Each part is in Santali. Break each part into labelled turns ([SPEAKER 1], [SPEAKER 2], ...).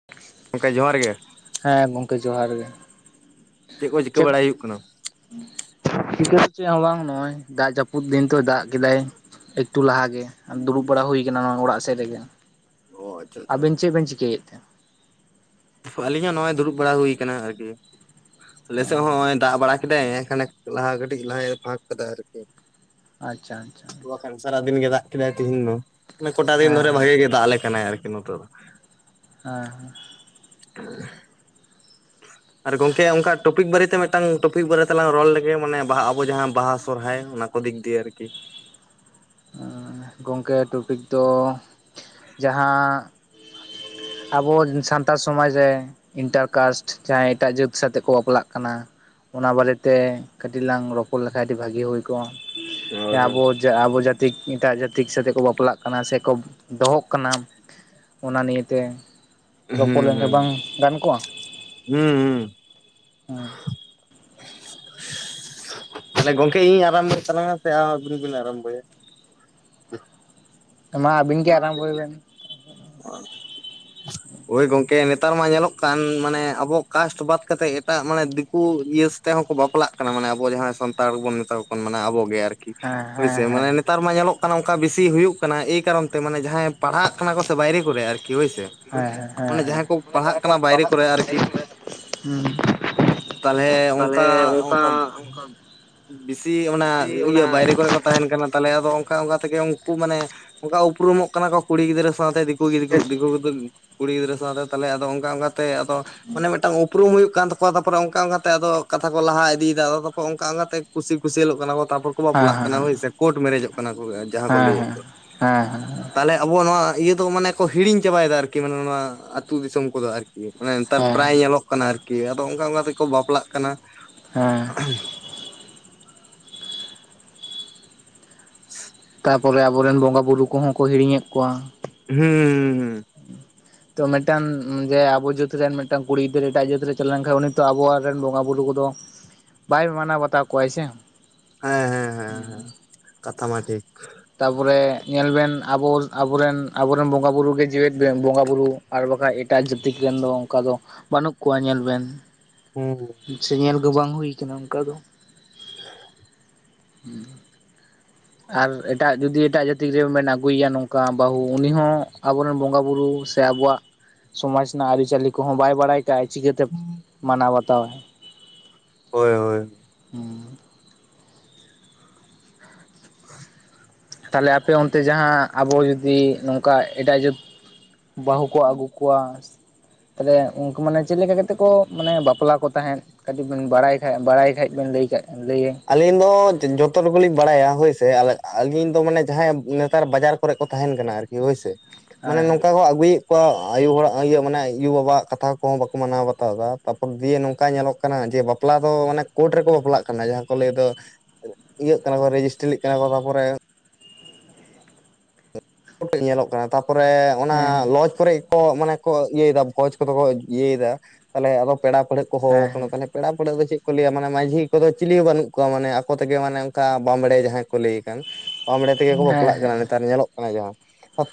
[SPEAKER 1] [unintelligible]
[SPEAKER 2] ᱜᱚᱢᱠᱮ ᱡᱚᱦᱟᱨ ᱜᱮ?
[SPEAKER 1] ᱦᱮᱸ ᱜᱚᱝᱠᱮ ᱡᱚᱦᱟᱨ ᱜᱮ᱾
[SPEAKER 2] ᱪᱮᱫ ᱠᱚ ᱪᱤᱠᱟᱹ ᱵᱟᱲᱟᱭ ᱦᱩᱭᱩᱜ ᱠᱟᱱᱟ᱾
[SPEAKER 1] ᱪᱤᱠᱟᱹ ᱫᱚ ᱪᱮᱫ ᱦᱚᱸ ᱵᱟᱝ ᱱᱚᱜᱚᱭ ᱫᱟᱜ ᱡᱟᱹᱯᱩᱫ ᱫᱤᱱ, ᱛᱚ ᱫᱟᱜ ᱠᱮᱫᱟᱭ ᱮᱠᱴᱩ ᱞᱟᱦᱟᱜᱮ ᱟᱨ ᱫᱩᱲᱩᱵ ᱵᱟᱲᱟ ᱦᱩᱭ ᱟᱠᱟᱱᱟ, ᱱᱚᱣᱟ ᱚᱲᱟᱜ ᱥᱮᱫ ᱨᱮᱜᱮ᱾
[SPEAKER 2] ᱚ ᱟᱪᱪᱷᱟ
[SPEAKER 1] ᱟᱵᱤᱱ ᱪᱮᱫ ᱵᱤᱱ ᱪᱤᱠᱟᱹᱭᱮᱫ ᱛᱮ?
[SPEAKER 2] ᱟᱞᱤᱧᱟᱜ ᱱᱚᱜᱼᱚᱭ ᱫᱩᱲᱩᱵ ᱵᱟᱲᱟ ᱦᱩᱭ ᱟᱠᱟᱱᱟ ᱟᱨᱠᱤ, ᱟᱞᱮᱥᱮᱫ ᱦᱚᱸ ᱱᱚᱜᱭ ᱫᱟᱜ ᱵᱟᱲᱟ ᱠᱮᱫᱟᱭ ᱦᱮ ᱠᱷᱟᱱᱮᱠ ᱞᱟᱦᱟ ᱠᱟᱹᱴᱤᱡ ᱞᱟᱦᱟ ᱵᱷᱟᱜᱽ ᱠᱟᱫᱟᱭ ᱟᱹᱨᱠᱤ᱾
[SPEAKER 1] ᱟᱪᱪᱷᱟ, ᱟᱪᱪᱷᱟ, ᱟᱪᱪᱷᱟ,
[SPEAKER 2] ᱥᱟᱨᱟ ᱫᱤᱱ ᱜᱮ ᱫᱟᱜ ᱠᱮᱫᱟᱭ ᱛᱮᱦᱮᱧ ᱫᱚ ᱢᱟᱱᱮ ᱠᱚᱴᱟ ᱫᱤᱱ
[SPEAKER 1] ᱦᱮᱸ
[SPEAKER 2] ᱫᱷᱚᱨᱮ
[SPEAKER 1] ᱦᱮᱸ
[SPEAKER 2] ᱵᱷᱟᱹᱜᱤ ᱜᱮ ᱫᱟᱜ ᱟᱞᱮ ᱠᱟᱱᱟᱭ ᱟᱨᱠᱤ ᱱᱚᱛᱮ ᱫᱚ ᱾
[SPEAKER 1] ᱦᱮᱸ ᱦᱮᱸ᱾
[SPEAKER 2] [inaudible] ᱟᱨ ᱜᱚᱝᱠᱮ ᱚᱱᱠᱟ ᱴᱚᱯᱤᱠ ᱵᱟᱨᱮᱛᱮ ᱢᱤᱫᱴᱟᱝ ᱴᱚᱯᱤᱠ ᱵᱟᱨᱮ ᱛᱮᱞᱟᱝ ᱨᱚᱲ ᱞᱮᱜᱮ, ᱢᱟᱱᱮ ᱵᱟᱦᱟ ᱟᱵᱚ ᱡᱟᱦᱟᱸ ᱵᱟᱦᱟ ᱥᱚᱨᱦᱟᱭ ᱚᱱᱟ ᱫᱤᱠ ᱫᱤᱭᱮ ᱟᱹᱨᱠᱤ᱾
[SPEAKER 1] ᱟᱸ ᱜᱚᱢᱠᱮ ᱴᱚᱯᱤᱠ ᱫᱚ ᱡᱟᱦᱟᱸ ᱟᱵᱚ ᱥᱟᱱᱛᱟᱲ ᱥᱚᱢᱟᱡᱽ ᱨᱮ ᱤᱱᱴᱟᱨᱠᱟᱥᱴ ᱡᱟᱦᱟᱸᱭ ᱮᱴᱟᱜ ᱡᱟᱹᱛ ᱥᱟᱛᱮᱜ ᱠᱚ ᱵᱟᱯᱞᱟᱜ ᱠᱟᱱᱟ᱾ ᱚᱱᱟ ᱵᱟᱨᱮᱛᱮ ᱠᱟᱹᱴᱤᱡ ᱞᱟᱝ ᱨᱚᱯᱚᱲ ᱞᱮᱠᱷᱟᱱ ᱟᱹᱰᱤ ᱵᱷᱟᱹᱜᱤ ᱦᱩᱭ ᱠᱚᱜᱼᱟ,
[SPEAKER 2] ᱦᱳᱭ ᱦᱳᱭ
[SPEAKER 1] ᱟᱵᱚ ᱡᱟ ᱟᱵᱚ ᱡᱟ ᱮᱴᱟᱜ ᱡᱟᱹᱛᱤ ᱥᱟᱛᱮᱜ ᱠᱚ ᱵᱟᱯᱞᱟᱜ ᱠᱟᱱᱟ, ᱥᱮᱠᱚ ᱫᱚᱦᱚᱜ ᱠᱟᱱᱟ᱾ ᱚᱱᱟ ᱱᱤᱭᱮᱛᱮ
[SPEAKER 2] ᱦᱩᱸ
[SPEAKER 1] ᱨᱚᱯᱚᱲ
[SPEAKER 2] ᱦᱩᱸ
[SPEAKER 1] ᱞᱮᱱᱠᱷᱟᱱ ᱵᱟᱝ ᱜᱟᱱ ᱠᱚᱜᱼᱟ?
[SPEAKER 2] ᱦᱩᱸ᱾ ᱦᱩᱸ
[SPEAKER 1] ᱦᱮᱸ
[SPEAKER 2] ᱢᱟᱱᱮ ᱜᱚᱢᱠᱮ ᱤᱧ ᱟᱨᱟᱢᱵᱚᱭ ᱛᱟᱞᱟᱝᱼᱟ ᱥᱮ ᱟᱨ ᱟᱹᱵᱤᱱ ᱵᱤᱱ ᱟᱨᱟᱢᱵᱚᱭᱟ?
[SPEAKER 1] ᱢᱟ ᱟᱵᱤᱱ ᱜᱮ ᱟᱨᱟᱢᱵᱚᱭ ᱵᱮᱱ
[SPEAKER 2] ᱟᱨ [inaudible] ᱳᱭ ᱜᱚᱝᱠᱮ ᱱᱮᱛᱟᱨ ᱢᱟ ᱧᱮᱞᱚᱜ ᱠᱟᱱ ᱢᱟᱱᱮ ᱟᱵᱚᱣᱟᱜ ᱠᱟᱥᱴ ᱵᱟᱫ ᱠᱟᱛᱮᱜ ᱮᱴᱟᱜ ᱢᱟᱱᱮ ᱫᱤᱠᱩ ᱤᱭᱟᱹ ᱦᱚᱸᱠᱚ ᱵᱟᱯᱞᱟᱜ ᱠᱟᱱᱟ, ᱢᱟᱱᱮ ᱟᱵᱚ ᱡᱟᱦᱟᱸᱭ ᱥᱟᱱᱛᱟᱲ ᱵᱚᱱ ᱢᱮᱛᱟ ᱠᱚ ᱠᱟᱱᱟ᱾ ᱢᱟᱱᱮ ᱟᱵᱚ ᱜᱮ ᱟᱨᱠᱤ
[SPEAKER 1] ᱦᱮᱸ
[SPEAKER 2] ᱦᱳᱭ
[SPEAKER 1] ᱦᱮᱸ
[SPEAKER 2] ᱥᱮ
[SPEAKER 1] ᱦᱮᱸ
[SPEAKER 2] ᱢᱟᱱᱮ ᱱᱮᱛᱟᱨ ᱢᱟ ᱧᱮᱞᱚᱜ ᱠᱟᱱᱟ, ᱚᱱᱠᱟ ᱵᱤᱥᱤ ᱦᱩᱭᱩᱜ ᱠᱟᱱᱟ᱾ ᱮᱭ ᱠᱟᱨᱚᱱ ᱛᱮ ᱢᱟᱱᱮ ᱡᱟᱦᱟᱸᱭ ᱯᱟᱲᱦᱟᱜ ᱠᱟᱱᱟ ᱠᱚ ᱥᱮ ᱵᱟᱭᱨᱮ ᱠᱚᱨᱮ ᱟᱹᱨᱠᱤ᱾ ᱦᱳᱭ ᱥᱮ
[SPEAKER 1] ᱦᱮᱸ ᱦᱮᱸ
[SPEAKER 2] ᱚᱱᱮ
[SPEAKER 1] ᱦᱮᱸ
[SPEAKER 2] ᱡᱟᱦᱟᱸᱭ ᱠᱚ
[SPEAKER 1] ᱢᱟᱱᱮ
[SPEAKER 2] ᱯᱟᱲᱦᱟᱜ
[SPEAKER 1] ᱡᱟᱦᱟᱸᱭ ᱠᱚ
[SPEAKER 2] ᱠᱟᱱᱟ, ᱵᱟᱭᱨᱮ
[SPEAKER 1] ᱯᱟᱲᱦᱟᱜ
[SPEAKER 2] ᱠᱚᱨᱮ
[SPEAKER 1] ᱠᱟᱱᱟ ᱵᱟᱭᱨᱮ
[SPEAKER 2] ᱟᱸᱨᱠᱤ᱾
[SPEAKER 1] ᱠᱚᱨᱮ ᱦᱩᱸ
[SPEAKER 2] ᱛᱟᱦᱞᱮ
[SPEAKER 1] ᱛᱟᱦᱚᱞᱮ
[SPEAKER 2] ᱚᱱᱠᱟ ᱚᱱᱠᱟ
[SPEAKER 1] ᱚᱱᱠᱟ
[SPEAKER 2] ᱵᱮᱥᱤ ᱚᱱᱟ ᱤᱭᱟᱹ ᱵᱟᱭᱨᱮ ᱠᱚᱨᱮ ᱠᱚ ᱛᱟᱦᱮᱱ ᱠᱟᱱᱟ ᱛᱟᱞᱮ ᱟᱫᱚ ᱚᱱᱠᱟ ᱚᱱᱠᱟ ᱛᱮᱜᱮ ᱩᱱᱠᱩ ᱢᱟᱱᱮ ᱚᱱᱠᱟ ᱩᱯᱨᱩᱢᱚᱜ ᱠᱟᱱᱟ ᱠᱚ, ᱠᱩᱲᱤ ᱜᱤᱫᱽᱨᱟᱹ ᱥᱟᱶᱛᱮ ᱫᱤᱠᱩ ᱫᱤᱠᱩ
[SPEAKER 1] ᱦᱮᱸ
[SPEAKER 2] ᱠᱚ ᱠᱩᱲᱤ ᱜᱤᱫᱽᱨᱟᱹ ᱥᱟᱶᱛᱮ ᱛᱟᱦᱞᱮ ᱟᱫᱚ ᱚᱱᱠᱟ ᱚᱱᱠᱟ ᱛᱮ ᱟᱫᱚ ᱢᱟᱱᱮ ᱢᱤᱫᱴᱟᱝ ᱩᱯᱨᱩᱢ ᱦᱩᱭᱩᱜ ᱠᱟᱱ ᱛᱟᱠ ᱟᱠᱚ ᱛᱟᱯᱚᱨᱮ ᱚᱱᱠᱟ ᱚᱱᱠᱟᱛᱮ ᱟᱫᱚ ᱠᱟᱛᱷᱟ ᱠᱚ ᱞᱟᱦᱟ ᱤᱫᱤᱭᱮᱫᱟ, ᱟᱫᱚ ᱛᱟᱨᱯᱚᱨ ᱚᱱᱠᱟ ᱚᱱᱠᱟ ᱛᱮ ᱠᱩᱥᱤ ᱠᱩᱥᱞᱚᱜ ᱠᱟᱱᱟ ᱠᱚ ᱛᱟᱨᱯᱚᱨ ᱠᱚ
[SPEAKER 1] ᱦᱮᱸ ᱦᱮᱸ
[SPEAKER 2] ᱵᱟᱯᱞᱟᱜ ᱠᱟᱱᱟ ᱦᱳᱭ ᱥᱮ ᱠᱳᱨᱴ ᱢᱮᱨᱮᱡᱚᱜ ᱠᱟᱱᱟ ᱠᱚ ᱡᱟᱦᱟᱸ ᱠᱚ ᱞᱟᱹᱭᱮᱫ ᱠᱚ
[SPEAKER 1] ᱦᱮᱸ, ᱦᱮᱸ᱾
[SPEAKER 2] ᱛᱟᱦᱚᱞᱮ ᱟᱵᱚ ᱱᱚᱣᱟ ᱤᱭᱟᱹ ᱫᱚ ᱢᱟᱱᱮ ᱠᱚ ᱦᱤᱲᱤᱧ ᱪᱟᱵᱟᱭᱮᱫᱟ ᱟᱨᱠᱤ, ᱢᱟᱱᱮ ᱱᱚᱣᱟ ᱟᱹᱛᱩ ᱫᱤᱥᱚᱢ ᱠᱚᱫᱚ ᱟᱹᱨᱠᱤ ᱾ ᱢᱟᱱᱮ ᱱᱮᱛᱟᱨ
[SPEAKER 1] ᱦᱮᱸ
[SPEAKER 2] ᱯᱨᱟᱭ ᱧᱮᱞᱚᱜ ᱠᱟᱱᱟ ᱟᱨᱠᱤ, ᱟᱫᱚ ᱚᱱᱠᱟ ᱚᱱᱠᱟ ᱛᱮᱠᱚ ᱵᱟᱯᱞᱟᱜ ᱠᱟᱱᱟ᱾
[SPEAKER 1] ᱦᱮᱸ᱾
[SPEAKER 2] ᱦᱩᱸ᱾
[SPEAKER 1] ᱛᱟᱨᱯᱚᱨ ᱟᱵᱚᱨᱮᱱ ᱵᱚᱸᱜᱟ ᱵᱩᱨᱩ ᱚᱱᱟ ᱠᱚᱦᱚᱸ ᱠᱚ ᱦᱤᱲᱤᱧᱮᱫ ᱠᱚᱣᱟ ᱾
[SPEAKER 2] ᱦᱮᱸ᱾ ᱦᱩᱸ, ᱦᱩᱸ᱾
[SPEAKER 1] ᱛᱚ ᱢᱤᱫᱴᱟᱱ ᱡᱮ ᱟᱵᱚ ᱡᱟᱹᱛ ᱨᱮᱱ ᱢᱤᱫᱴᱟᱝ ᱠᱩᱲᱤ ᱜᱤᱫᱽᱨᱟᱹ ᱮᱴᱟᱜ ᱡᱟᱹᱛ ᱨᱮ ᱪᱟᱞᱟᱣ ᱞᱮᱱᱠᱷᱟᱱ ᱩᱱᱤ ᱛᱚ, ᱟᱵᱚᱣᱟᱜ ᱨᱮᱱ ᱵᱚᱸᱜᱟᱼᱵᱩᱨᱩ ᱠᱚᱫᱚ ᱵᱟᱭ ᱢᱟᱱᱟᱣ ᱵᱟᱛᱟᱣ ᱠᱚᱣᱟᱭ ᱥᱮ
[SPEAKER 2] ᱦᱮᱸ ᱦᱮᱸ ᱦᱮᱸ ᱦᱮᱸ ᱠᱟᱛᱷᱟ ᱢᱟ ᱴᱷᱤᱠ
[SPEAKER 1] ᱛᱟᱨᱯᱚᱨᱮ ᱧᱮᱞᱵᱮᱱ ᱟᱵᱚ ᱟᱵᱚᱨᱮᱱ ᱟᱵᱚᱨᱮᱱ ᱵᱚᱸᱜᱟ ᱵᱩᱨᱩ ᱜᱮ ᱡᱤᱣᱮᱫ ᱵᱮ ᱵᱚᱸᱜᱟ ᱵᱩᱨᱩ ᱟᱨ ᱵᱟᱠᱷᱟᱡᱽ ᱮᱴᱟᱜ ᱡᱟᱹᱛᱤᱠ ᱨᱮᱱ ᱫᱚ ᱚᱱᱠᱟ ᱫᱚ ᱵᱟᱹᱱᱩᱜ ᱠᱚᱣᱟ ᱧᱮᱞ ᱵᱮᱱ
[SPEAKER 2] ᱦᱩᱸ, ᱦᱩᱸ᱾
[SPEAKER 1] ᱥᱮ ᱧᱮᱞ ᱫᱚ ᱵᱟᱝ ᱦᱩᱭ ᱟᱠᱟᱱᱟ ᱚᱱᱠᱟ ᱫᱚ᱾ ᱦᱸ ᱟᱨ ᱮᱴᱟᱜ ᱡᱩᱫᱤ ᱮᱴᱟᱜ ᱡᱟᱹᱛᱤ ᱨᱮᱱ ᱵᱮᱱ ᱟᱹᱜᱩᱭᱮᱭ-ᱟ᱾ ᱱᱚᱝᱠᱟ ᱵᱟᱹᱦᱩ ᱩᱱᱤ ᱦᱚᱸ ᱟᱵᱚᱨᱮᱱ ᱵᱚᱸᱜᱟ ᱵᱩᱨᱩ ᱥᱮ ᱟᱵᱚᱣᱟ-ᱜ ᱥᱚᱢᱟᱡᱽ ᱨᱮᱱᱟᱜ ᱟᱹᱨᱤᱪᱟᱹᱞᱤ ᱠᱚᱼᱦᱚᱸ ᱵᱟᱭ ᱵᱟᱲᱟᱭ᱾ ᱠᱟᱜ ᱟᱭ ᱪᱤᱠᱟᱹᱛᱮ ᱢᱟᱱᱟᱣ ᱵᱟᱛᱟᱣᱼᱟᱭ᱾
[SPEAKER 2] ᱦᱳᱭ ᱦᱳᱭ
[SPEAKER 1] ᱦᱩᱸ
[SPEAKER 2] [inaudible]
[SPEAKER 1] ᱛᱟᱦᱚᱞᱮ ᱟᱯᱮ ᱚᱱᱛᱮ ᱡᱟᱦᱟᱸ ᱟᱵᱚ ᱡᱩᱫᱤ ᱱᱚᱝᱠᱟ ᱮᱴᱟᱜ ᱡᱟᱹᱛ ᱵᱟᱹᱦᱩ ᱠᱚ ᱟᱹᱜᱩ ᱠᱚᱣᱟ? ᱛᱟᱦᱚᱞᱮ ᱩᱱᱠᱩ ᱢᱟᱱᱮ ᱪᱮᱫ ᱞᱮᱠᱟ ᱠᱟᱛᱮ ᱠᱚ, ᱢᱟᱱᱮ ᱵᱟᱯᱞᱟ ᱠᱚ ᱛᱟᱦᱮᱸᱫ? ᱠᱟᱹᱴᱤᱡ ᱵᱮᱱ ᱵᱟᱨᱟᱭ ᱠᱷᱟ, ᱵᱟᱨᱟᱭ ᱠᱷᱟᱱ ᱵᱤᱱ ᱞᱟᱹᱭ ᱠᱟᱜ ᱞᱟᱹᱭᱟ?
[SPEAKER 2] ᱟᱹᱞᱤᱧ ᱫᱚ ᱡᱚᱛᱚ ᱴᱩᱠᱩᱞᱤᱧ ᱵᱟᱨᱟᱭᱼᱟ᱾ ᱦᱳᱭ ᱥᱮ, ᱟᱹᱞᱤᱧ ᱫᱚ ᱢᱟᱱᱮ ᱡᱟᱦᱟᱭ ᱱᱮᱛᱟᱨ ᱵᱟᱡᱟᱨ ᱠᱚᱨᱮ ᱠᱚ ᱛᱟᱸᱦᱮᱱ ᱠᱟᱱᱟ ᱾ ᱦᱳᱭ ᱥᱮ, ᱢᱟᱱᱮ
[SPEAKER 1] ᱦᱮᱸ
[SPEAKER 2] ᱱᱚᱝᱠᱟ ᱠᱚ ᱟᱹᱜᱩᱭᱤᱜ [unintelligible] ᱟᱭᱳ ᱵᱟᱵᱟ ᱣᱟᱜ ᱠᱟᱛᱷᱟ ᱠᱚ ᱵᱟᱠᱚ ᱢᱟᱱᱟᱣ ᱵᱟᱛᱟᱣ ᱮᱫᱟ, ᱛᱟᱨᱯᱚᱨ ᱫᱤᱭᱮ ᱱᱚᱝᱠᱟ ᱧᱮᱞᱚᱜ ᱠᱟᱱᱟ ᱠᱟᱱᱟ ᱡᱮ, ᱵᱟᱯᱞᱟ ᱫᱚ ᱢᱟᱱᱮ ᱠᱳᱨᱴ ᱨᱮᱠᱚ ᱵᱟᱯᱞᱟᱜ ᱠᱟᱱᱟ ᱡᱟᱦᱟᱸ ᱠᱚᱞᱮᱡ ᱫᱚ, ᱤᱭᱟᱜ ᱠᱟᱱᱟ ᱠᱚ ᱨᱮᱡᱤᱥᱴᱨᱤᱜ ᱠᱟᱱᱟ ᱠᱚ᱾ ᱛᱟᱨᱯᱚᱨᱮ ᱧᱮᱞᱚᱜ ᱠᱟᱱᱟ, ᱛᱟᱨᱯᱚᱨᱮ‌ ᱚᱱᱟ
[SPEAKER 1] ᱦᱮᱸ
[SPEAKER 2] ᱞᱚᱡᱽ ᱠᱚᱨᱮ ᱠᱚ ᱢᱟᱱᱮ ᱠᱚ ᱤᱭᱟᱹᱭᱮᱫᱟ ᱵᱷᱚᱡᱽ ᱠᱚᱼᱫᱚ ᱠᱚ ᱤᱭᱟᱹᱭᱮᱫᱟ ᱛᱟᱦᱚᱞᱮ, ᱟᱫᱚ ᱯᱮᱲᱟ ᱯᱟᱹᱲᱦᱟᱹᱜ ᱠᱚ
[SPEAKER 1] ᱦᱮᱸ
[SPEAKER 2] ᱦᱚᱸᱦᱚᱸ ᱟᱠᱟᱱᱟ ᱛᱮ ᱯᱮᱲᱟ ᱯᱟᱸᱲᱦᱟᱹᱜ ᱫᱚ ᱪᱮᱫ ᱠᱚ ᱞᱟᱹᱭᱟ, ᱢᱟᱱᱮ ᱢᱟᱺᱡᱷᱤ ᱠᱚᱼᱫᱚ ᱪᱩᱞᱤ ᱦᱚᱸ ᱵᱟᱹᱱᱩᱜ ᱠᱚᱣᱟ᱾ ᱢᱟᱱᱮ ᱟᱠᱚ ᱛᱮᱜᱮ ᱢᱟᱱᱮ ᱚᱱᱠᱟ ᱵᱟᱢᱵᱽᱲᱮ ᱡᱟᱸᱦᱟᱭ ᱠᱚ ᱞᱟᱹᱭ ᱠᱟᱱ᱾ ᱟᱢᱲᱮᱸ ᱨᱮᱜᱮ ᱠᱚ
[SPEAKER 1] ᱦᱮᱸ ᱦᱮᱸ
[SPEAKER 2] ᱵᱟᱯᱞᱟᱜ
[SPEAKER 1] ᱦᱮᱸ
[SPEAKER 2] ᱠᱟᱱᱟ᱾ ᱱᱮᱛᱟᱨ ᱧᱮᱞᱚᱜ ᱠᱟᱱᱟ ᱡᱟᱹᱦᱟ,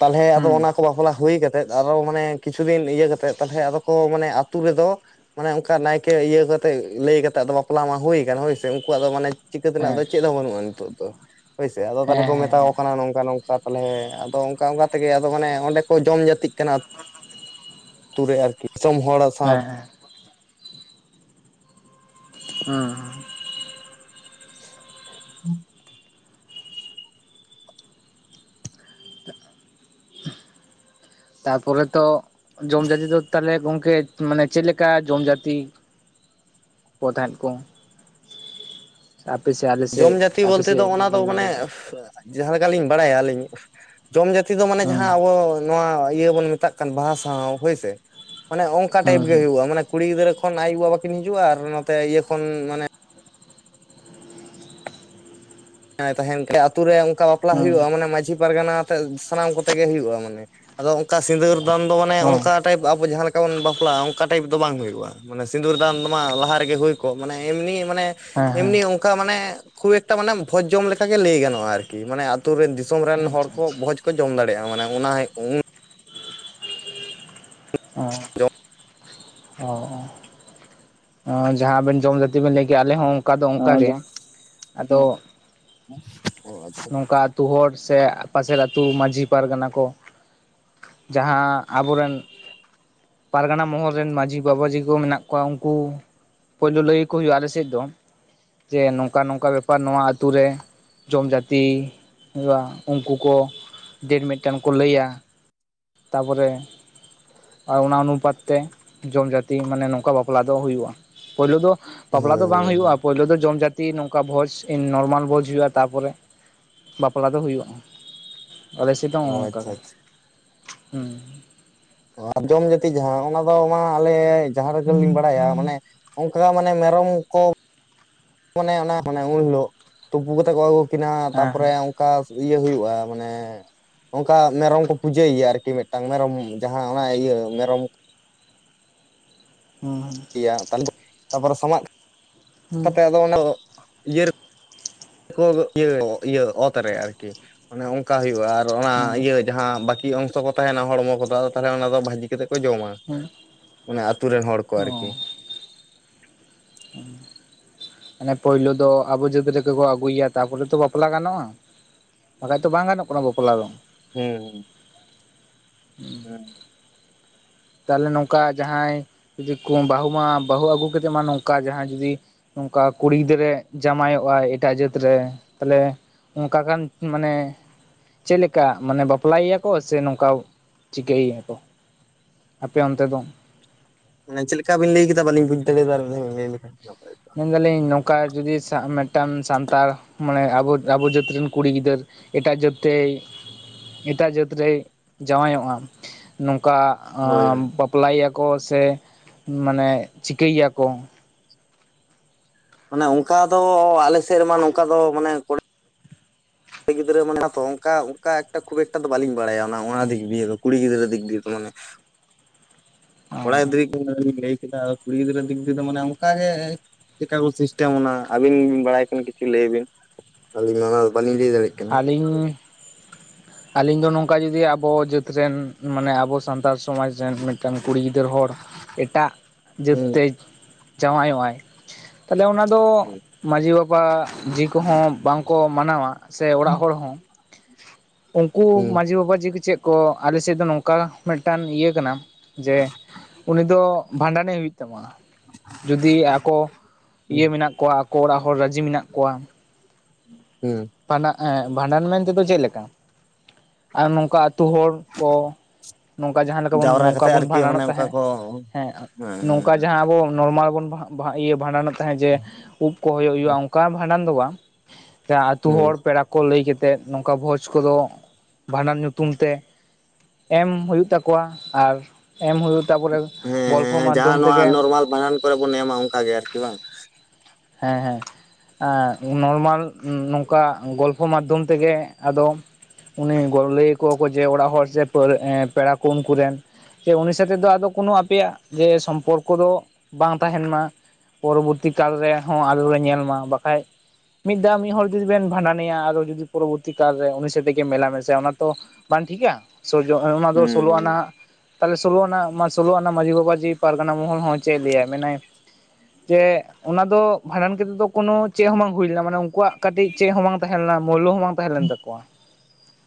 [SPEAKER 2] ᱛᱟᱦᱚᱞᱮ ᱟᱫᱚ
[SPEAKER 1] ᱦᱮᱸ
[SPEAKER 2] ᱱᱟᱜ ᱵᱟᱯᱞᱟ ᱦᱩᱭ ᱠᱟᱛᱮᱫ, ᱟᱨᱦᱚᱸ ᱢᱟᱱᱮ, ᱠᱤᱪᱷᱩ ᱫᱤᱱ ᱤᱭᱟᱹ ᱠᱟᱛᱮᱫ ᱛᱟᱦᱚᱞᱮ ᱟᱵᱚ ᱠᱚ ᱢᱟᱱᱮ ᱟᱹᱛᱩ ᱨᱮᱫᱚ ᱢᱟᱱᱮ ᱚᱱᱠᱟ ᱱᱟᱭᱠᱮ ᱤᱭᱟᱹ ᱠᱟᱛᱮᱫ ᱞᱟᱹᱭ ᱠᱟᱛᱮᱫ, ᱟᱫᱚ ᱵᱟᱯᱞᱟ ᱢᱟ ᱦᱩᱭ ᱠᱟᱱ ᱦᱳᱭᱥᱮ, ᱩᱱᱠᱩᱣᱟᱜ ᱫᱚ ᱢᱟᱱᱮ ᱪᱤᱠᱟᱹ ᱛᱮᱱᱟᱜ
[SPEAKER 1] ᱦᱮᱸ
[SPEAKER 2] ᱫᱚ ᱪᱮᱫ ᱦᱚᱸ ᱵᱟᱱᱩᱜ ᱟᱱ ᱱᱤᱛᱚᱜ ᱫᱚ ᱾ ᱦᱳᱭ ᱥᱮ, ᱟᱫᱚ ᱢᱟᱱᱮ
[SPEAKER 1] ᱦᱮᱸ
[SPEAKER 2] ᱠᱚ ᱢᱮᱛᱟᱣᱟ
[SPEAKER 1] ᱦᱮᱸ
[SPEAKER 2] ᱠᱚ ᱠᱟᱱᱟ ᱱᱚᱝᱠᱟ ᱱᱚᱝᱠᱟ ᱛᱟᱦᱚᱞᱮ ᱟᱫᱚ ᱚᱱᱠᱟ ᱚᱱᱠᱟ ᱛᱮᱜᱮ, ᱟᱫᱚ ᱢᱟᱱᱮ ᱚᱸᱰᱮ ᱠᱚ ᱡᱚᱢ ᱡᱟᱹᱛᱤᱜ ᱠᱟᱱᱟ᱾ ᱟᱹᱛᱩᱨᱮ ᱟᱨᱠᱤ ᱫᱤᱥᱚᱢ ᱦᱚᱲ ᱥᱟᱶ
[SPEAKER 1] ᱦᱮᱸ ᱦᱮᱸ ᱦᱩᱸ
[SPEAKER 2] ᱦᱮᱸ [unintelligible]
[SPEAKER 1] ᱛᱟᱨᱯᱚᱨᱮ ᱛᱚ, ᱡᱚᱢ ᱡᱟᱹᱛᱤ ᱫᱚ ᱛᱟᱦᱚᱞᱮ ᱜᱚᱝᱠᱮ ᱢᱟᱱᱮ ᱪᱮᱫ ᱞᱮᱠᱟ ᱡᱚᱢ ᱡᱟᱹᱛᱤ ᱠᱚ ᱛᱟᱸᱦᱮᱫ ᱠᱚ? ᱟᱯᱮ ᱥᱮ [unintelligible]
[SPEAKER 2] ᱡᱚᱢ ᱡᱟᱹᱛᱤ
[SPEAKER 1] ᱟᱯᱮ
[SPEAKER 2] ᱵᱚᱞᱛᱮ ᱫᱚ,
[SPEAKER 1] ᱥᱮᱫ
[SPEAKER 2] ᱚᱱᱟ
[SPEAKER 1] ᱡᱩᱫᱤ
[SPEAKER 2] ᱫᱚ
[SPEAKER 1] ᱵᱤᱱ
[SPEAKER 2] ᱢᱟᱱᱮ
[SPEAKER 1] ᱞᱟᱹᱭ ᱠᱮᱭᱟ
[SPEAKER 2] ᱡᱟᱦᱟᱸ ᱞᱮᱠᱟᱞᱤᱧ ᱵᱟᱲᱟᱭᱼᱟ᱾ ᱟᱹᱞᱤᱧ ᱡᱚᱢ ᱡᱟᱛᱤ ᱫᱚ ᱢᱟᱱᱮ
[SPEAKER 1] ᱦᱩᱸ
[SPEAKER 2] ᱡᱟᱦᱟᱸ ᱟᱵᱚᱼᱼᱼ ᱱᱚᱣᱟ ᱤᱭᱟᱹ ᱵᱚᱱ ᱢᱮᱛᱟᱜ ᱠᱟᱱ ᱵᱟᱦᱟᱸᱥᱟᱸᱣ, ᱦᱳᱭ ᱥᱮ, ᱚᱱᱟ ᱚᱱᱠᱟ ᱴᱟᱭᱤᱯ
[SPEAKER 1] ᱦᱩᱸ
[SPEAKER 2] ᱜᱮ
[SPEAKER 1] ᱦᱩᱸ
[SPEAKER 2] ᱦᱩᱭᱩᱜ-ᱟ᱾ ᱠᱩᱲᱤ ᱜᱤᱫᱨᱟᱹ ᱠᱷᱚᱱ ‌ᱟᱭᱩ-ᱵᱟᱵᱟ ᱠᱤᱱ ᱦᱤᱡᱩᱜ-ᱟ, ᱟᱨ ᱱᱚᱛᱮ ᱤᱭᱟᱹ ᱠᱷᱚᱱ ᱢᱟᱱᱮ [inaudible] ᱠᱚ ᱟᱛᱳ ᱨᱮ ᱚᱱᱡᱟ ᱵᱟᱯᱞᱟ
[SPEAKER 1] ᱦᱩᱸ
[SPEAKER 2] ᱦᱩᱭᱩᱜ-ᱟ᱾ ᱢᱟᱱᱮ ᱢᱟᱺᱡᱷᱤ ᱯᱟᱨᱜᱟᱱᱟ ᱟᱛᱮᱜ ᱥᱟᱱᱟᱢ ᱠᱚᱛᱮ ᱜᱮ ᱦᱩᱭᱩᱜ-ᱟ ᱢᱟᱱᱮ ᱟᱫᱚ ᱚᱱᱠᱟ ᱥᱤᱸᱫᱩᱨ ᱫᱟᱱ ᱫᱚ ᱢᱟᱱᱮ
[SPEAKER 1] ᱚ
[SPEAKER 2] ᱚᱱᱠᱟ ᱴᱟᱭᱤᱯ ᱟᱵᱚ ᱡᱟᱸᱦᱟ ᱞᱮᱠᱟ ᱵᱚᱱ ᱵᱟᱯᱞᱟᱜ-ᱟ ᱾ᱚᱱᱟ ᱴᱟᱭᱤᱯ ᱫᱚ ᱵᱟᱝ? ᱦᱩᱭᱩᱜ-ᱟ᱾ ᱢᱟᱱᱮ ᱥᱤᱸᱫᱩᱨ ᱫᱟᱱ ᱢᱟ ᱞᱟᱦᱟ ᱨᱮᱜᱮ ᱦᱩᱭ ᱠᱚᱜ᱾ ᱢᱟᱱᱮ ᱮᱢᱱᱤ ᱢᱟᱱᱮ
[SPEAKER 1] ᱦᱮᱸ ᱦᱮᱸ
[SPEAKER 2] ᱮᱢᱱᱤ ᱚᱱᱠᱟ ᱢᱟᱱᱮ ᱠᱷᱩᱵ ᱮᱠᱴᱟ ᱢᱟᱱᱮ ᱵᱷᱚᱡᱽ ᱡᱚᱢ ᱞᱮᱠᱟ ᱜᱮ ᱞᱟᱹᱭ ᱜᱟᱱᱚᱜ-ᱟ᱾ ᱟᱨᱠᱤ ᱢᱟᱱᱮ ᱟᱹᱛᱩ ᱨᱮ ᱫᱤ ᱫᱤᱥᱚᱢ ᱨᱮᱱ ᱦᱚᱲ
[SPEAKER 1] ᱟᱪᱪᱷᱟ
[SPEAKER 2] ᱠᱚ,
[SPEAKER 1] ᱟᱪᱪᱷᱟ
[SPEAKER 2] ᱵᱷᱚᱡᱽ ᱠᱚ ᱡᱚᱢ ᱫᱟᱲᱮᱭᱟᱜᱼᱟ, ᱢᱟᱱᱮ ᱚᱱᱟ
[SPEAKER 1] ᱚᱚ
[SPEAKER 2] ᱡᱚᱢ
[SPEAKER 1] ᱚ ᱡᱟᱦᱟᱸᱵᱮᱱ ᱡᱚᱢ ᱡᱟᱛᱤ ᱵᱮᱱ ᱞᱟᱹᱭ ᱠᱮᱭᱟ᱾ ᱟᱞᱮ ᱦᱚᱸ ᱚᱝᱠᱟ ᱫᱚ ᱚᱱᱠᱟ ᱜᱮ ᱟᱫᱚ
[SPEAKER 2] ᱚ ᱟᱪᱷᱟ
[SPEAKER 1] ᱱᱚᱝᱠᱟ ᱟᱹᱛᱩ ᱦᱚᱲ ᱥᱮ ᱯᱟᱥᱮᱨ ᱟᱹᱛᱩ ᱢᱟᱹᱡᱷᱤ ᱯᱟᱨᱜᱟᱱᱟ ᱠᱚ ᱡᱟᱸᱦᱟ ᱟᱵᱚ ᱨᱮᱱ ᱯᱟᱨᱜᱟᱱᱟ ᱢᱚᱦᱚᱞ ᱨᱤᱱ ᱢᱟᱹᱡᱷᱤ ᱵᱟᱵᱟᱡᱷᱤ ᱠᱚ ᱢᱮᱱᱟᱜ ᱠᱚᱣᱟ ᱩᱱᱠᱩ ᱞᱟᱹᱞᱟᱹᱭ ᱠᱚ ᱦᱩᱭᱩᱜ-ᱟ ᱟᱞᱮ ᱥᱮᱫ‌ ᱫᱚ᱾ ᱡᱮ ᱱᱚᱝᱠᱟ ᱱᱚᱝᱠᱟ ᱵᱮᱯᱟᱨ ᱱᱚᱣᱟ ᱟᱹᱛᱩ ᱨᱮᱼᱼ ᱡᱚᱢ ᱡᱟᱹᱛᱤ ᱦᱩᱭᱩᱜᱼᱟ ᱩᱱᱠᱩ ᱠᱚ ᱫᱤᱱ ᱢᱤᱫᱴᱟᱝ ᱠᱚ ᱞᱟᱹᱭᱟ᱾ ᱛᱟᱯᱚᱨᱮ ᱟᱨ ᱚᱱᱟ ᱚᱱᱩᱯᱟᱛ ᱛᱮ ᱡᱚᱢ ᱡᱟᱹᱛᱤ ᱢᱟᱱᱮ ᱱᱚᱝᱠᱟ ᱵᱟᱯᱞᱟ ᱫᱚ ᱦᱩᱭᱩᱜᱼᱟ᱾ ᱯᱳᱭᱞᱳ ᱫᱚ ᱵᱟᱯᱞᱟ
[SPEAKER 2] ᱦᱳᱭ
[SPEAKER 1] ᱫᱚ ᱵᱟᱝ
[SPEAKER 2] ᱦᱳᱭ
[SPEAKER 1] ᱦᱩᱭᱩᱜᱼᱟ,
[SPEAKER 2] ᱦᱳᱭ
[SPEAKER 1] ᱯᱳᱭᱞᱳ ᱫᱚ ᱡᱚᱢ ᱡᱟᱹᱛᱤᱼᱼ ᱱᱚᱝᱠᱟ ᱵᱷᱚᱡᱽ ᱱᱚᱨᱢᱟᱞ ᱵᱷᱚᱡᱽ ᱦᱩᱭᱩᱜᱼᱟ ᱛᱟᱨᱯᱚᱨᱮ ᱵᱟᱯᱞᱟ ᱫᱚ ᱦᱩᱭᱩᱜᱼᱟ᱾ ᱟᱞᱮ ᱥᱮᱫ ᱫᱚ
[SPEAKER 2] ᱚ
[SPEAKER 1] ᱚᱱᱠᱟ
[SPEAKER 2] ᱟᱪᱪᱷᱟ
[SPEAKER 1] ᱜᱮ
[SPEAKER 2] ᱟᱪᱪᱷᱟ
[SPEAKER 1] ᱦᱚᱸ
[SPEAKER 2] ᱟᱨ ᱡᱚᱢ ᱡᱟᱹᱛᱤ ᱡᱟᱦᱟᱸ ᱚᱱᱟ ᱫᱚ ᱢᱟ ᱟᱞᱮ ᱡᱟᱦᱟᱸ ᱨᱮᱜᱮ ᱞᱤᱧ ᱵᱟᱲᱟᱭᱟ ᱢᱟᱱᱮᱼᱼ ᱚᱱᱠᱟ ᱢᱟᱱᱮ ᱢᱮᱨᱚᱢ ᱠᱚᱼᱼ ᱢᱟᱱᱮ ᱚᱱᱟ ᱢᱟᱱᱮ ᱩᱱᱦᱤᱞᱚᱜ ᱛᱩᱯᱩ ᱠᱟᱛᱮᱫ ᱠᱚ ᱟᱜᱩ ᱠᱤᱱᱟ ᱛᱟᱨᱯᱚᱨᱮᱼᱼ
[SPEAKER 1] ᱦᱮᱸ
[SPEAKER 2] [inaudible] ᱤᱭᱟᱹ ᱦᱩᱭᱩᱜᱼᱟ ᱢᱟᱱᱮᱼᱼ ᱚᱱᱠᱟ ᱢᱮᱨᱚᱢ ᱠᱚ ᱯᱩᱡᱟᱹᱭᱟ ᱟᱨᱠᱤ ᱢᱤᱫᱴᱟᱝ ᱢᱮᱨᱚᱢ ᱡᱟᱸᱦᱟ ᱚᱱᱟ ᱤᱭᱟᱹ ᱢᱮᱨᱚᱢᱼᱼ
[SPEAKER 1] ᱚᱸᱻ
[SPEAKER 2] ᱮᱭᱟ ᱛᱟᱯᱚᱨᱮ ᱥᱟᱢᱟᱜ
[SPEAKER 1] ᱦᱩᱸ
[SPEAKER 2] ᱠᱟᱛᱮ ᱟᱫᱚ ᱚᱱᱟ ᱤᱭᱟᱹᱼᱼ ᱤᱭᱟᱹ ᱚᱛ ᱨᱮ ᱟᱨᱠᱤ ᱚᱱᱮ ᱚᱱᱠᱟ ᱦᱩᱭᱩᱜᱼᱟ ᱟᱨ ᱚᱱᱟ
[SPEAKER 1] ᱦᱩᱸ
[SPEAKER 2] ᱤᱭᱟᱹᱼᱼ ᱡᱟᱦᱟᱸ ᱵᱟᱹᱠᱤ ᱚᱝᱥᱚ ᱠᱚ ᱛᱟᱦᱮᱱᱟ ᱦᱚᱲᱢᱚ ᱠᱚᱫᱚ ᱛᱟᱦᱚᱞᱮ ᱚᱱᱟ ᱫᱚ ᱵᱷᱟᱹᱡᱤ ᱠᱟᱛᱮ ᱠᱚ ᱡᱚᱢᱟ᱾
[SPEAKER 1] ᱦᱩᱸ ᱦᱩᱸ
[SPEAKER 2] ᱚᱱᱮ ᱟᱛᱩ ᱨᱮᱱ ᱦᱚᱲ ᱠᱚ
[SPEAKER 1] ᱚ
[SPEAKER 2] ᱟᱨᱠᱤ
[SPEAKER 1] [inaudible] ᱢᱟᱱᱮ ᱯᱳᱭᱞᱳ ᱫᱚ ᱟᱵᱚ ᱡᱟᱹᱛ ᱨᱮᱜ ᱠᱚ ᱟᱹᱜᱩᱭᱟ ᱛᱟᱯᱚᱨᱮ ᱛᱚ ᱵᱟᱯᱞᱟ ᱜᱟᱱᱚᱜᱼᱟ᱾ ᱵᱟᱠᱷᱟᱡ ᱫᱚ ᱵᱟᱝ ᱜᱟᱱᱚᱜ ᱠᱟᱱᱟ ᱵᱟᱯᱞᱟ ᱫᱚ᱾
[SPEAKER 2] ᱦᱩᱸᱻ ᱦᱮᱸ
[SPEAKER 1] ᱛᱟᱦᱚᱞᱮ ᱱᱚᱝᱠᱟ ᱡᱟᱦᱟᱸᱭ ᱡᱩᱫᱤ ᱠᱩᱢ ᱵᱟᱹᱦᱩ ᱢᱟ ᱵᱟᱹᱦᱩ ᱟᱹᱜᱩ ᱟᱛᱮᱫ ᱢᱟ ᱱᱚᱝᱠᱟ ᱡᱟᱦᱟᱸᱭ ᱡᱩᱫᱤ ᱱᱚᱝᱠᱟ ᱠᱩᱲᱤ ᱜᱤᱫᱽᱨᱟᱹ ᱡᱟᱢᱟᱭᱚᱜ ᱟᱭ ᱮᱴᱟᱜ ᱡᱟᱹᱛ ᱨᱮ ᱛᱟᱦᱞᱮᱼᱼ ᱚᱱᱠᱟ ᱠᱷᱟᱱ ᱢᱟᱱᱮᱼᱼ ᱪᱮᱫ ᱞᱮᱠᱟ ᱢᱟᱱᱮ ᱵᱟᱯᱞᱟ ᱭᱮᱭᱟᱠᱚ ᱥᱮ ᱱᱚᱝᱠᱟ ᱪᱤᱠᱟᱹᱭᱮᱭᱟ ᱠᱚ? ᱟᱯᱮ ᱚᱱᱛᱮ ᱫᱚᱼᱼ
[SPEAKER 2] ᱢᱟᱱᱮ ᱪᱮᱫ ᱞᱮᱠᱟ ᱵᱤᱱ ᱞᱟᱹᱭ ᱠᱮᱫᱟ ᱵᱟᱹᱞᱤᱧ ᱵᱩᱡᱫᱟᱲᱮ ᱟᱫᱟ ᱞᱟᱹᱭ ᱞᱮᱠᱷᱟᱱ ᱱᱟᱯᱟᱭᱼᱼ
[SPEAKER 1] ᱢᱮᱱᱫᱟᱞᱤᱧ ᱱᱚᱝᱠᱟ ᱡᱩᱫᱤ ᱢᱤᱫᱴᱟᱝ ᱥᱟᱱᱛᱟᱲ ᱢᱟᱱᱮ ᱟᱵᱚ ᱟᱵᱚ ᱡᱟᱹᱛ ᱨᱮᱱ ᱠᱩᱲᱤ ᱜᱤᱫᱟᱹᱨᱼᱼ ᱮᱴᱟᱜ ᱡᱟᱹᱛ ᱴᱮᱭ ᱮᱴᱟᱜ ᱡᱟᱹᱛ ᱨᱮᱭ ᱡᱟᱶᱟᱭᱚᱜᱼᱟ ᱱᱚᱝᱠᱟᱼᱼ
[SPEAKER 2] ᱦᱳᱭ ᱦᱳᱭ
[SPEAKER 1] ᱵᱟᱯᱞᱟᱭᱮ ᱭᱟᱠᱚ ᱥᱮ ᱢᱟᱱᱮ ᱪᱤᱠᱟᱹᱭᱮᱭᱟ ᱠᱚ?
[SPEAKER 2] ᱢᱟᱱᱮ ᱚᱱᱠᱟ ᱫᱚ ᱟᱞᱮ ᱥᱮᱫ ᱨᱮᱢᱟ ᱱᱚᱝᱠᱟ ᱫᱚ ᱢᱟᱱᱮᱼᱼ ᱠᱩᱲᱤ ᱜᱤᱫᱽᱨᱟᱹ ᱢᱟᱱᱮ ᱛᱚ ᱚᱱᱠᱟ ᱚᱱᱠᱟ ᱮᱠᱴᱟ ᱠᱷᱩᱵ ᱮᱠᱴᱟ ᱫᱚ ᱵᱟᱞᱤ ᱵᱟᱲᱟᱭᱟ ᱚᱱᱟ ᱫᱤᱠ ᱫᱤᱭᱮ ᱫᱚ ᱠᱩᱲᱤ ᱜᱤᱫᱽᱨᱟᱹ ᱫᱤᱠ ᱫᱤᱭᱮ ᱢᱟᱱᱮᱼᱼ ᱠᱚᱲᱟ ᱜᱤᱫᱽᱨᱟᱹᱧ ᱞᱟᱹᱭ ᱠᱮᱫᱟ ᱠᱩᱲᱤ ᱜᱤᱫᱽᱨᱟᱹ ᱫᱤᱠ ᱫᱤᱭᱮ ᱫᱚ ᱢᱟᱱᱮ ᱚᱱᱠᱟᱜ ᱜᱮᱼᱼ ᱪᱮᱠᱟ ᱠᱚ ᱥᱤᱥᱴᱮᱢ ᱚᱱᱟ ᱟᱹᱵᱤᱱ ᱵᱤᱱ ᱵᱟᱲᱟᱭ ᱠᱟᱱᱟ ᱠᱤᱪᱷᱩ ᱞᱟᱹᱭ ᱵᱤᱱ ᱟᱹᱞᱤᱧ ᱢᱟ ᱚᱱᱟ ᱵᱟᱞᱤᱧ ᱞᱟᱹᱭ ᱫᱟᱲᱮᱭᱟᱜ ᱠᱟᱱᱟ?
[SPEAKER 1] ᱤᱧ ᱟᱹᱞᱤᱧ ᱫᱚ ᱱᱚᱝᱠᱟ ᱡᱩᱫᱤ ᱟᱵᱚ ᱡᱟᱹᱛ ᱨᱮᱱ ᱢᱟᱱᱮ ᱟᱵᱚᱼᱼ ᱥᱟᱱᱛᱟᱲ ᱥᱚᱢᱟᱡᱽ ᱨᱮᱱ ᱢᱤᱫᱴᱟᱝ ᱠᱩᱲᱤ ᱜᱤᱫᱟᱹᱨ ᱦᱚᱲ ᱮᱴᱟᱜ ᱡᱟᱹᱛ
[SPEAKER 2] ᱦᱩᱸ
[SPEAKER 1] ᱛᱮᱼᱼ ᱡᱟᱶᱟᱭ ᱚᱜ ᱟᱭ ᱛᱟᱦᱚᱞᱮ ᱚᱱᱟᱼᱼ ᱛᱚ ᱢᱟᱹᱡᱷᱤ ᱵᱟᱵᱟ ᱡᱤᱣᱤ ᱠᱚᱦᱚᱸ ᱵᱟᱝ ᱠᱚ ᱢᱟᱱᱟᱣᱟ ᱥᱮ ᱚᱲᱟᱜ ᱦᱚᱲ ᱦᱚᱸ ᱩᱱᱠᱩ
[SPEAKER 2] ᱦᱩᱸ
[SPEAKER 1] ᱢᱟᱹᱡᱷᱤ ᱵᱟᱵᱟ ᱡᱤ ᱠᱚ ᱪᱮᱫᱼᱼ ᱠᱚ ᱟᱞᱮᱥᱮᱫ ᱫᱚ ᱱᱚᱝᱠᱟ ᱢᱤᱫᱴᱟᱝ ᱤᱭᱟᱹ ᱠᱟᱱᱟ ᱡᱮ ᱩᱱᱤ ᱫᱚ ᱵᱷᱟᱸᱰᱟᱱᱮ ᱦᱩᱭᱩᱜᱼᱼ ᱡᱩᱫᱤ ᱟᱠᱚ ᱤᱭᱟᱹ ᱢᱮᱱᱟᱜ ᱠᱚᱣᱟ ᱟᱠᱚ ᱚᱲᱟᱜ ᱦᱚᱲ ᱨᱟᱹᱡᱤ ᱢᱮᱱᱟᱜ ᱠᱚᱣᱟ᱾
[SPEAKER 2] ᱦᱩᱸ᱾
[SPEAKER 1] ᱯᱟᱱᱟ ᱮᱸ᱾ ᱵᱷᱟᱸᱰᱟᱱ ᱢᱮᱱ ᱛᱮᱫᱚ ᱪᱮᱫ ᱞᱮᱠᱟ? ᱟᱨ ᱱᱚᱝᱠᱟ ᱟᱹᱛᱩ ᱦᱚᱲ ᱠᱚ ᱱᱚᱝᱠᱟ ᱡᱟᱦᱟᱸ ᱞᱮᱠᱟ ᱵᱚᱱ
[SPEAKER 2] ᱡᱟᱣᱨᱟ
[SPEAKER 1] ᱱᱚᱝᱠᱟ
[SPEAKER 2] ᱠᱟᱛᱮᱜ
[SPEAKER 1] ᱵᱚᱱ
[SPEAKER 2] ᱟᱨᱠᱤ ᱢᱟᱱᱮ
[SPEAKER 1] ᱵᱷᱟᱸᱰᱟᱱᱚᱜ
[SPEAKER 2] ᱚᱱᱠᱟ
[SPEAKER 1] ᱛᱟᱦᱮᱸᱫ
[SPEAKER 2] ᱠᱚ
[SPEAKER 1] ᱦᱮᱸ
[SPEAKER 2] ᱦᱮᱸ ᱦᱮᱸ
[SPEAKER 1] ᱱᱚᱝᱠᱟ ᱡᱟᱦᱟᱸ ᱟᱵᱚ ᱱᱚᱨᱢᱟᱞ ᱵᱚᱱ ᱵᱟᱷᱟ ᱵᱟᱦᱟ ᱤᱭᱟᱹ ᱵᱷᱟᱸᱰᱟᱱᱚᱜ ᱛᱟᱦᱮᱸᱫ ᱡᱮ ᱩᱵ ᱠᱚ ᱦᱩᱭᱩᱜᱼᱟ ᱚᱱᱠᱟ ᱵᱷᱟᱸᱰᱟᱱ ᱫᱚ ᱵᱟᱝ᱾ ᱡᱟ ᱟᱛᱩ
[SPEAKER 2] ᱦᱮᱸ
[SPEAKER 1] ᱦᱚᱲ ᱯᱮᱲᱟ ᱠᱚ ᱞᱟᱹᱭ ᱠᱟᱛᱮᱫ ᱱᱚᱝᱠᱟ ᱵᱷᱚᱡᱽ ᱠᱚᱫᱚ ᱵᱷᱟᱸᱰᱟᱱ ᱧᱩᱛᱩᱢ ᱛᱮ ᱮᱢ ᱦᱩᱭᱩᱜ ᱛᱟᱠᱚᱣᱟ ᱟᱨ ᱮᱢ ᱦᱩᱭᱩᱜ ᱛᱟᱯᱚᱨᱮ ᱜᱚᱞᱯᱷᱚ
[SPEAKER 2] ᱦᱮᱸ
[SPEAKER 1] ᱢᱟᱫᱽᱫᱷᱚᱢ
[SPEAKER 2] ᱡᱟᱦᱟᱸ ᱱᱚᱣᱟ
[SPEAKER 1] ᱛᱮᱜᱮ
[SPEAKER 2] ᱱᱚᱨᱢᱟᱞ ᱵᱷᱟᱸᱰᱟᱱ ᱠᱚᱨᱮ ᱵᱚᱱ ᱮᱢᱟ ᱚᱱᱠᱟ ᱜᱮ ᱟᱨᱠᱤ ᱵᱟᱝ?
[SPEAKER 1] ᱦᱮᱸ ᱦᱮᱸ᱾ ᱮᱸᱻ ᱱᱚᱨᱢᱟᱞ ᱱᱚᱝᱠᱟ ᱜᱚᱞᱯᱷᱚ ᱢᱟᱫᱽᱫᱷᱚᱢ ᱛᱮᱜᱮ ᱟᱫᱚ ᱩᱱᱤ ᱜᱚᱲᱚ ᱞᱟᱹᱭ ᱟᱠᱚᱣᱟ ᱠᱚ ᱡᱮ ᱚᱲᱟᱜ ᱦᱚᱲ ᱥᱮ ᱯᱟᱣᱨᱟᱹ ᱮᱸ ᱯᱮᱲᱟ ᱠᱚ ᱩᱱᱠᱩᱨᱮᱱ᱾ ᱡᱮ ᱩᱱᱤ ᱥᱟᱛᱮ ᱫᱚ ᱟᱫᱚ ᱠᱳᱱᱳ ᱟᱯᱮᱭᱟᱜ ᱡᱮ ᱥᱚᱢᱯᱚᱨᱠᱚ ᱫᱚ ᱵᱟᱝ ᱛᱟᱦᱮᱱ ᱢᱟ᱾ ᱯᱚᱨᱚᱵᱚᱨᱛᱤ ᱠᱟᱞ ᱨᱮᱦᱚᱸ ᱟᱞᱚ ᱞᱮ ᱧᱮᱞ ᱢᱟ ᱵᱟᱠᱷᱟᱡ ᱢᱤᱫ ᱫᱷᱟᱣ ᱢᱤᱫ ᱦᱚᱲ ᱡᱩᱫᱤ ᱵᱮᱱᱷᱟᱸᱰᱟᱱᱮᱭᱟ ᱟᱨᱚ ᱡᱩᱫᱤ ᱯᱚᱨᱚᱵᱚᱨᱛᱤ ᱠᱟᱞᱨᱮ ᱩᱱᱤ ᱥᱚᱛᱮᱜᱮ ᱢᱮᱞᱟ ᱢᱮᱥᱟᱭᱟ ᱚᱱᱟ ᱛᱚ ᱵᱟᱝ ᱴᱷᱤᱠᱟ᱾ ᱥᱳᱡᱳ ᱚᱱᱟ ᱫᱚ ᱥᱳᱞᱳ
[SPEAKER 2] ᱦᱩᱸ
[SPEAKER 1] ᱟᱱᱟᱦᱟᱜ᱾ ᱛᱟᱦᱚᱞᱮ ᱥᱳᱞᱳᱱᱟ ᱢᱟ ᱥᱳᱞᱳ ᱟᱱᱟ ᱢᱟᱺᱡᱷᱤ ᱵᱟᱵᱟᱡᱤ ᱯᱟᱨᱜᱟᱱᱟ ᱢᱚᱦᱚᱞ ᱦᱚᱸ ᱪᱮᱫ ᱮ ᱞᱮᱭᱟᱭ ᱢᱮᱱᱟᱭ ᱪᱮ ᱚᱱᱟ ᱫᱚ-ᱼ ᱵᱷᱟᱸᱰᱟᱱ ᱠᱟᱛᱮᱫ ᱫᱚ ᱠᱚᱱᱳ ᱪᱮᱫ ᱦᱚᱸ ᱵᱟᱝ ᱦᱩᱭ ᱞᱮᱱᱟ᱾ ᱢᱟᱱᱮ ᱩᱱᱠᱩᱣᱟᱜ ᱠᱟᱴᱤᱡ ᱪᱮᱫ ᱦᱚᱸ ᱵᱟᱝ ᱛᱟᱦᱮᱸ ᱞᱮᱱᱟ, ᱢᱩᱞᱞᱳ ᱦᱚᱸ ᱵᱟᱝ ᱛᱟᱦᱮᱸ ᱞᱮᱱ ᱛᱟᱠᱚᱣᱟ᱾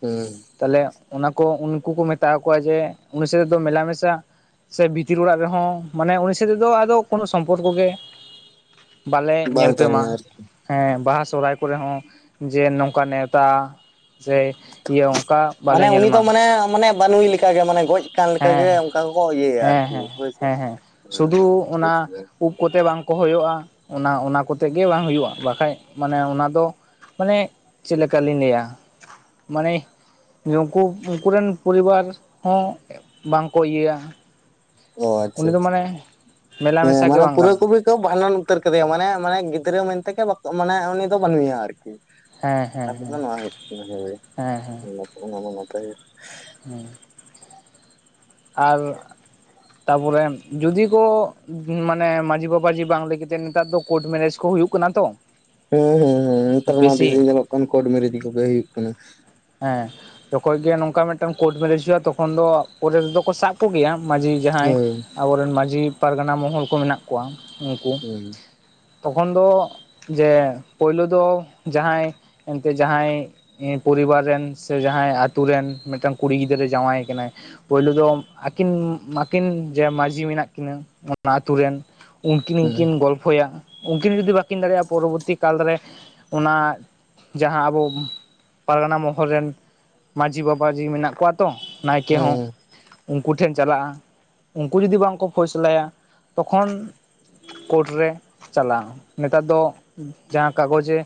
[SPEAKER 2] ᱦᱩᱸ
[SPEAKER 1] ᱛᱟᱦᱞᱮ ᱚᱱᱟ ᱠᱚ ᱩᱱᱠᱩ ᱠᱚ ᱢᱮᱛᱟ ᱠᱚᱣᱟ ᱡᱮ ᱩᱱᱤ ᱥᱮᱛᱮ ᱫᱚ ᱢᱮᱞᱟ ᱢᱮᱥᱟ ᱥᱮ ᱵᱷᱤᱛᱤᱨ ᱚᱲᱟᱜ ᱨᱮᱦᱚᱸ᱾ ᱢᱟᱱᱮ ᱩᱱᱤ ᱥᱟᱛᱮ ᱫᱚ ᱟᱫᱚ ᱠᱳᱱᱳ ᱥᱚᱢᱯᱚᱨᱠᱚ ᱜᱮ ᱵᱟᱞᱮ
[SPEAKER 2] ᱵᱟᱝ
[SPEAKER 1] ᱧᱮᱞ ᱯᱮ ᱢᱟ
[SPEAKER 2] ᱛᱟᱦᱮᱱᱟ ᱟᱨᱠᱤ
[SPEAKER 1] ᱦᱮᱸ᱾ ᱵᱟᱦᱟ ᱥᱚᱦᱚᱨᱟᱭ ᱠᱚᱨᱮ ᱦᱚᱸ ᱡᱮ ᱱᱚᱝᱠᱟ ᱱᱮᱣᱛᱟ ᱡᱮ ᱤᱭᱟᱹ ᱚᱱᱠᱟ ᱵᱟᱞᱮ ᱧᱮᱞ ᱢᱟ᱾
[SPEAKER 2] ᱵᱟᱱᱩᱭ ᱞᱮᱠᱟ ᱜᱮ ᱢᱟᱱᱮ ᱜᱚᱡ ᱠᱟᱱ ᱞᱮᱠᱟ ᱜᱮ
[SPEAKER 1] ᱦᱮᱸ
[SPEAKER 2] ᱚᱱᱠᱟ ᱜᱮᱠᱚ ᱤᱭᱟᱹᱭᱟ
[SPEAKER 1] ᱦᱮᱸ
[SPEAKER 2] ᱟᱨᱠᱤ
[SPEAKER 1] ᱦᱮᱸ
[SPEAKER 2] ᱦᱳᱭᱥᱮ᱾
[SPEAKER 1] ᱦᱮᱸ ᱦᱮᱸ ᱥᱩᱫᱷᱩ ᱚᱱᱟ ᱩᱵ ᱠᱚᱛᱮ ᱵᱟᱝ ᱠᱚ ᱦᱩᱭᱚᱜᱼᱟ, ᱚᱱᱟ ᱚᱱᱟ ᱠᱚᱛᱮᱜ ᱜᱮ ᱵᱟᱝ ᱦᱩᱭᱩᱜᱼᱟ, ᱵᱟᱠᱷᱟᱡ ᱢᱟᱱᱮ ᱚᱱᱟ ᱫᱚ ᱩᱵ ᱢᱟᱱᱮ ᱪᱮᱫ ᱞᱮᱠᱟ ᱞᱤᱧ ᱞᱟᱹᱭᱟ? ᱢᱟᱱᱮ ᱱᱩᱠᱩ ᱱᱩᱠᱩ ᱨᱮᱱ ᱯᱚᱨᱤᱵᱟᱨ ᱦᱚᱸ ᱵᱟᱝᱠᱚ ᱤᱭᱟᱹᱭᱟ᱾
[SPEAKER 2] ᱚ ᱟᱪᱷᱟ
[SPEAKER 1] ᱩᱱᱤ ᱫᱚ
[SPEAKER 2] ᱟᱪᱷᱟ᱾
[SPEAKER 1] ᱢᱟᱱᱮ ᱢᱮᱞᱟ
[SPEAKER 2] ᱦᱮᱸ
[SPEAKER 1] ᱢᱮᱥᱟ ᱜᱮ
[SPEAKER 2] ᱢᱟᱱᱮ
[SPEAKER 1] ᱵᱟᱝ
[SPEAKER 2] ᱯᱩᱨᱟᱹ
[SPEAKER 1] ᱜᱟᱱᱚᱜᱼᱟ
[SPEAKER 2] ᱠᱚᱵᱤ ᱛᱚ ᱵᱷᱟᱰᱟᱱ ᱩᱛᱟᱹᱨ ᱠᱟᱫᱮᱭᱟ ᱢᱟᱱᱮ ᱢᱟᱱᱮ ᱜᱤᱫᱽᱨᱟᱹ ᱢᱮᱱᱛᱮ ᱠᱟᱠᱚ ᱢᱟᱱᱮ ᱩᱱᱤ ᱫᱚ ᱵᱟᱹᱱᱩᱭᱟ ᱟᱨᱠᱤ᱾
[SPEAKER 1] ᱦᱮᱸ ᱦᱮᱸ
[SPEAKER 2] ᱠᱟᱛᱷᱟ ᱠᱚᱫᱚ
[SPEAKER 1] ᱦᱮᱸ
[SPEAKER 2] ᱱᱚᱣᱟ ᱦᱚᱭᱚᱜ ᱠᱟᱱᱟ ᱦᱳᱭ᱾
[SPEAKER 1] ᱦᱮᱸ ᱦᱮᱸ
[SPEAKER 2] ᱚᱱᱟ ᱢᱟ ᱱᱟᱯᱟᱭ ᱜᱮ᱾
[SPEAKER 1] ᱦᱮᱸ ᱟᱨ ᱛᱟᱵᱚᱞᱮ ᱡᱩᱫᱤ ᱠᱚ ᱢᱟᱱᱮ ᱢᱟᱹᱡᱷᱤ ᱵᱟᱵᱟᱡᱷᱤ ᱵᱟᱝ ᱞᱟᱹᱭ ᱠᱟᱛᱮᱫ ᱱᱮᱛᱟᱨ ᱫᱚ ᱠᱳᱴ ᱢᱮᱨᱮᱡᱽ ᱠᱚ ᱦᱩᱭᱩᱜ ᱠᱟᱱᱟᱱ ᱛᱚ᱾
[SPEAKER 2] ᱦᱩᱸ ᱦᱩᱸ ᱦᱩᱸ ᱱᱮᱛᱟᱨ ᱢᱟ ᱟᱰᱤ ᱡᱮ
[SPEAKER 1] ᱵᱮᱥᱤ
[SPEAKER 2] ᱧᱮᱞᱚᱜ ᱠᱟᱱ ᱠᱴᱢᱨᱮᱡᱽ ᱠᱚᱜᱮ ᱦᱩᱭᱩᱜ ᱠᱟᱱᱟ᱾
[SPEAKER 1] ᱦᱮᱸ ᱡᱚᱠᱷᱚᱡ ᱜᱮ ᱱᱚᱝᱠᱟ ᱢᱤᱫᱴᱟᱝ ᱠᱳᱴ ᱢᱨᱮᱡᱽ ᱦᱩᱭᱩᱜᱼᱟ ᱛᱚᱠᱷᱚᱱ ᱫᱚ ᱯᱚᱨᱮ ᱨᱮᱫᱚ ᱠᱚ ᱥᱟᱵ ᱠᱚ ᱜᱮᱭᱟ᱾ ᱢᱟᱹᱡᱷᱤ ᱡᱟᱦᱟᱸᱭ
[SPEAKER 2] ᱦᱳᱭ
[SPEAKER 1] ᱟᱵᱚᱨᱮᱱ ᱢᱟᱹᱡᱷᱤ, ᱯᱟᱨᱜᱟᱱᱟ ᱢᱚᱦᱚᱞ ᱠᱚ ᱢᱮᱱᱟᱜ ᱠᱚᱣᱟ ᱩᱱᱠᱩ᱾
[SPEAKER 2] ᱦᱮᱸ
[SPEAKER 1] ᱛᱚᱠᱷᱚᱱ ᱫᱚ ᱡᱮ ᱯᱳᱭᱞᱳ ᱫᱚ ᱡᱟᱦᱟᱸᱭ ᱮᱱᱛᱮ ᱡᱟᱦᱟᱸᱭ ᱯᱚᱨᱤᱵᱟᱨ ᱨᱮᱱ ᱥᱮ ᱡᱟᱦᱟᱸᱭ ᱟᱛᱩ ᱨᱮᱱ ᱢᱤᱫᱴᱟᱝ ᱠᱩᱲᱤ ᱜᱤᱫᱽᱨᱟᱹᱭ ᱡᱟᱢᱟᱭ ᱠᱟᱱᱟᱭ᱾ ᱯᱳᱭᱞᱳ ᱫᱚᱢ ᱟᱹᱠᱤᱱ ᱟᱹᱠᱤᱱ ᱡᱮ ᱢᱟᱹᱡᱷᱤ ᱢᱮᱱᱟᱜ ᱠᱤᱱᱟᱹ ᱚᱱᱟ ᱟᱹᱛᱩ ᱨᱮᱱ᱾
[SPEAKER 2] ᱦᱮᱸ
[SPEAKER 1] ᱩᱱᱠᱤᱱ ᱜᱮ
[SPEAKER 2] ᱦᱮᱸ
[SPEAKER 1] ᱠᱤᱱ ᱜᱚᱞᱯᱷᱚᱭᱟ᱾ ᱩᱱᱠᱤᱱ ᱡᱩᱫᱤ ᱵᱟᱹᱠᱤᱱ ᱫᱟᱲᱮᱭᱟᱜᱼᱟ, ᱯᱚᱨᱚᱵᱚᱨᱛᱤ ᱠᱟᱞᱨᱮ ᱚᱱᱟ ᱡᱟᱦᱟᱸ ᱟᱵᱚ ᱯᱟᱨᱜᱟᱱᱟ ᱢᱚᱦᱚᱞ ᱨᱮᱱ ᱢᱟᱹᱡᱷᱤ ᱵᱟᱵᱟ ᱡᱤ ᱢᱮᱱᱟᱜ ᱠᱚᱣᱟ ᱛᱚ, ᱱᱟᱭᱠᱮ
[SPEAKER 2] ᱦᱮᱸ
[SPEAKER 1] ᱦᱚᱸ᱾
[SPEAKER 2] ᱦᱮᱸ᱾
[SPEAKER 1] ᱩᱸᱠᱩ ᱴᱷᱮᱱ ᱪᱟᱞᱟᱜᱼᱟ, ᱩᱸᱠᱩ ᱡᱩᱫᱤ ᱵᱟᱝ ᱠᱚ ᱯᱷᱚᱭᱥᱟᱞᱟᱭᱟ ᱛᱚᱠᱷᱚᱱ ᱠᱳᱴ ᱨᱮ ᱪᱟᱞᱟᱜᱼᱟ, ᱱᱮᱛᱟᱨ ᱫᱚ ᱡᱟᱦᱟᱸ ᱠᱟᱜᱽᱡᱼᱮ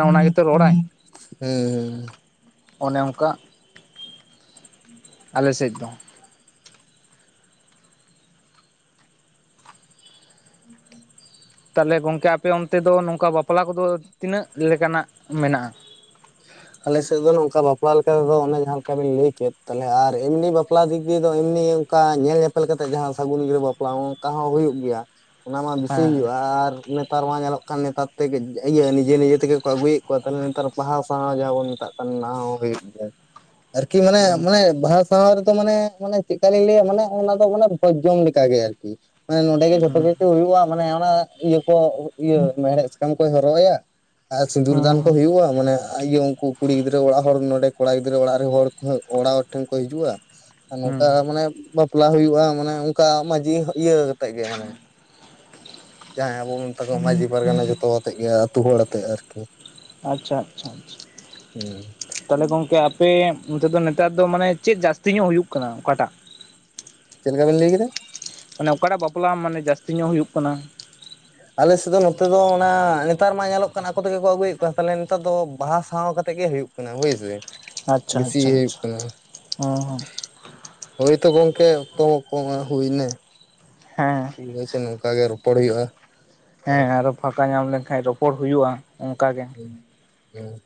[SPEAKER 2] [unintelligible] ᱦᱮᱸ ᱦᱮᱸ ᱦᱮᱸ᱾
[SPEAKER 1] ᱚᱱᱮ ᱚᱸᱠᱟᱜ ᱟᱞᱮᱥᱮᱡ ᱫᱚ᱾ ᱛᱟᱦᱮᱞᱮ ᱜᱚᱝᱠᱮ ᱟᱯᱮ ᱚᱱᱛᱮ ᱫᱚ ᱱᱚᱝᱠᱟ ᱵᱟᱯᱞᱟ ᱠᱚᱫᱚ ᱛᱤᱱᱟᱹᱜ ᱞᱮᱠᱟᱱᱟᱜ ᱢᱮᱱᱟᱜᱼᱟ?
[SPEAKER 2] [inaudible] ᱟᱞᱮᱥᱮᱫ ᱫᱚ ᱱᱚᱝᱠᱟ ᱵᱟᱯᱞᱟ ᱞᱮᱠᱟ ᱛᱮᱫᱚ ᱚᱱᱮ ᱡᱟᱦᱟᱸ ᱞᱮᱠᱟᱵᱤᱱ ᱞᱟᱹᱭ ᱠᱮᱫ, ᱛᱟᱦᱮᱞᱮ ᱟᱨ ᱮᱢᱱᱤ ᱵᱟᱯᱞᱟ ᱫᱤᱠ ᱛᱮᱫᱚ ᱮᱢᱱᱤ ᱠᱟ ᱧᱮᱞ ᱧᱮᱯᱮᱞ ᱠᱟᱛᱮ ᱡᱟᱦᱟᱸ ᱥᱟᱹᱜᱩᱱ ᱜᱤᱨᱟᱹ ᱵᱟᱯᱞᱟ ᱚᱸᱠᱟ ᱦᱚᱸ ᱦᱩᱭᱩᱜ ᱜᱮᱭᱟ᱾ ᱚᱱᱟ ᱢᱟ ᱵᱮᱥᱤ
[SPEAKER 1] ᱦᱮᱸ
[SPEAKER 2] ᱦᱩᱭᱩᱜᱼᱟ ᱟᱨ ᱱᱮᱛᱟᱨ ᱢᱟ ᱧᱮᱞᱚᱜ ᱠᱟᱱ ᱱᱮᱛᱟᱨ ᱛᱮᱜᱮᱡ, ᱤᱭᱟᱹ ᱱᱤᱡᱮ ᱱᱤᱡᱮ ᱛᱮᱜᱮ ᱠᱚ ᱟᱹᱜᱩᱭᱮᱫ ᱠᱚᱣᱟ ᱛᱟᱦᱮᱞᱮ ᱱᱮᱛᱟᱨᱵ ᱵᱟᱦᱟᱶ ᱥᱟᱦᱟᱶ ᱡᱟᱦᱟᱸ ᱵᱚᱱ ᱢᱮᱛᱟᱜ ᱠᱟᱱ ᱚᱱᱟ ᱦᱚᱸ ᱦᱩᱭᱩᱜ ᱜᱮᱭᱟ, ᱟᱨᱠᱤ ᱢᱟᱱᱮ ᱢᱟᱱᱮ ᱵᱟᱦᱟ ᱥᱟᱶ ᱨᱮᱫᱚ ᱢᱟᱱᱮ ᱢᱟᱱᱮ ᱪᱮᱫ ᱠᱟ ᱞᱤᱧ ᱞᱟᱹᱭᱼᱟ, ᱢᱟᱱᱮ ᱚᱱᱟ ᱫᱚ ᱢᱟᱱᱮ ᱵᱷᱚᱡᱽ ᱡᱚᱢ ᱞᱮᱠᱟ ᱜᱮ ᱟᱨᱠᱤ᱾ ᱦᱮᱸ ᱱᱚᱸᱰᱮ ᱜᱮ ᱡᱷᱚᱛᱚ
[SPEAKER 1] ᱦᱩᱸ
[SPEAKER 2] ᱠᱤᱪᱷᱩ ᱦᱩᱭᱩᱜᱼᱟ ᱢᱟᱱᱮ ᱚᱱᱟ ᱤᱭᱟᱹ ᱠᱚ ᱤᱭᱟᱹ ᱢᱮᱲᱦᱮᱫ ᱥᱟᱠᱳᱢ ᱠᱚᱭ ᱦᱚᱨᱚᱜ ᱟᱭᱟ, ᱟᱨ ᱥᱤᱸᱫᱩᱨ ᱫᱟᱱ ᱠᱚ
[SPEAKER 1] ᱦᱩᱸ
[SPEAKER 2] ᱦᱩᱭᱩᱜᱼᱟ᱾ ᱢᱟᱱᱮ ᱟ ᱤᱭᱟᱹ ᱩᱸᱠᱩ ᱠᱩᱲᱤ ᱜᱤᱫᱽᱨᱟᱹ ᱚᱲᱟᱜ ᱦᱚᱲ ᱱᱚᱰᱮ ᱠᱚᱲᱟ ᱜᱤᱫᱽᱨᱟᱹ ᱚᱲᱟᱜ ᱨᱮᱱ ᱦᱚᱲ ᱚᱲᱟᱜ ᱦᱚᱲ ᱴᱷᱮᱱ ᱠᱚ ᱦᱤᱡᱩᱜᱼᱟ? ᱟᱨ
[SPEAKER 1] ᱦᱩᱸ
[SPEAKER 2] ᱱᱚᱝᱠᱟ ᱢᱟᱱᱮ ᱵᱟᱯᱞᱟ ᱦᱩᱭᱩᱜᱼᱟ ᱢᱟᱱᱮ ᱚᱸᱠᱟ ᱢᱟᱺᱡᱷᱤ ᱤᱭᱟᱹ ᱦᱟᱛᱮᱜ ᱜᱮ ᱢᱟᱱᱮ᱾ ᱡᱟᱦᱟᱸᱭ ᱟᱵᱚ ᱵᱚ ᱢᱮᱛᱟ ᱠᱚᱣᱟ ᱢᱟᱺᱡᱷᱤ ᱯᱟᱨᱜᱟᱱᱟ ᱡᱚᱛᱚ ᱟᱛᱮᱜ ᱜᱮ, ᱟᱹᱛᱩ ᱦᱚᱲ ᱟᱛᱮᱫ ᱟᱨᱠᱤ᱾
[SPEAKER 1] ᱟᱪᱪᱷᱟ, ᱟᱪᱪᱷᱟ ᱟᱪᱪᱷᱟ
[SPEAKER 2] ᱦᱩᱸ᱾
[SPEAKER 1] ᱛᱟᱦᱚᱞᱮ ᱜᱚᱝᱠᱮ ᱟᱯᱮ ᱚᱱᱛᱮ ᱫᱚ ᱱᱮᱛᱟᱨ ᱫᱚ ᱢᱟᱱᱮ ᱪᱮᱫ ᱡᱟᱹᱥᱛᱤ ᱧᱚᱜ ᱦᱩᱭᱩᱜ ᱠᱟᱱᱟ ᱚᱠᱟᱴᱟᱜ?
[SPEAKER 2] ᱪᱮᱫ ᱞᱮᱠᱟ ᱵᱤᱱ ᱞᱟᱹᱭ ᱠᱮᱫᱟ?
[SPEAKER 1] ᱢᱟᱱᱮ ᱚᱠᱟᱴᱟᱜ ᱵᱟᱯᱞᱟ ᱢᱟᱱᱮ ᱡᱟᱹᱥᱛᱤ ᱧᱚᱜ ᱦᱩᱭᱩᱜ ᱠᱟᱱᱟ?
[SPEAKER 2] ᱟᱞᱮᱥᱮᱫ ᱫᱚ ᱱᱚᱛᱮ ᱫᱚ ᱚᱱᱟ ᱱᱮᱛᱟᱨ ᱢᱟ ᱧᱮᱞᱚᱜ ᱠᱟᱱ ᱟᱠᱚ ᱛᱮᱜᱮ ᱠᱚ ᱟᱹᱜᱩᱭᱮᱫ ᱠᱚᱣᱟ, ᱛᱟᱦᱮᱞᱮ ᱱᱮᱛᱟᱨ ᱫᱚ ᱵᱟᱦᱟ ᱥᱟᱶᱟ ᱠᱟᱛᱮᱫ ᱜᱮ ᱦᱩᱭᱩᱜ ᱠᱟᱱᱟ ᱵᱩᱡᱽ ᱥᱮ᱾
[SPEAKER 1] ᱟᱪᱪᱷᱟ
[SPEAKER 2] ᱵᱮᱥᱤ
[SPEAKER 1] ᱟᱪᱪᱷᱟ
[SPEAKER 2] ᱦᱩᱭᱩᱜ
[SPEAKER 1] ᱟᱪᱪᱷᱟ
[SPEAKER 2] ᱠᱟᱱᱟ
[SPEAKER 1] ᱚ ᱦᱩᱸ᱾
[SPEAKER 2] ᱦᱳᱭ ᱛᱚ ᱜᱚᱝᱠᱮ ᱚᱠᱛᱚ ᱠᱚᱦᱚᱸ ᱦᱩᱭ ᱱᱟ᱾
[SPEAKER 1] ᱦᱮᱸ᱾
[SPEAKER 2] ᱴᱷᱤᱠ ᱟᱪᱷᱮ, ᱱᱚᱝᱠᱟ ᱜᱮ ᱨᱚᱯᱚᱲ ᱦᱩᱭᱩᱜᱼᱟ
[SPEAKER 1] ᱦᱮᱸ
[SPEAKER 2] ᱟᱨ
[SPEAKER 1] ᱦᱮᱸ ᱟᱨᱚ ᱯᱷᱟᱠᱟ ᱧᱟᱢ ᱞᱮᱱᱠᱷᱟᱡ ᱨᱚᱯᱚᱲ ᱦᱩᱭᱩᱜᱼᱟ ᱚᱸᱠᱟ ᱜᱮ᱾
[SPEAKER 2] ᱦᱩᱸ᱾